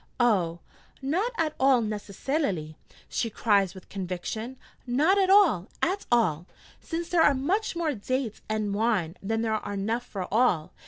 'Oh, not at all necessalily!' she cries with conviction: 'not at all, at all: since there are much more dates and wine than are enough for all.